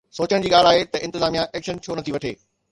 سوچڻ جي ڳالهه آهي ته انتظاميه ايڪشن ڇو نٿي وٺي؟